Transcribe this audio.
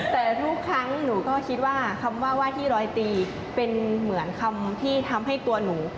แต่ทุกครั้งหนูก็คิดว่าคำว่าว่าที่ร้อยตีเป็นเหมือนคำที่ทำให้ตัวหนู